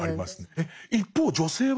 えっ？一方女性は？